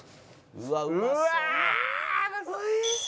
「うわー！うまそう！」